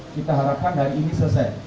kita harapkan hari ini selesai